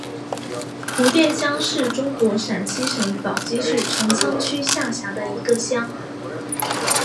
胡店乡是中国陕西省宝鸡市陈仓区下辖的一个乡。